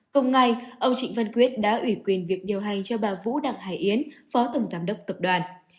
cùng ngày ông trịnh văn quyết đã ủy quyền việc điều hành cho bà vũ đảng hải yến phó tổng giám đốc tập đoàn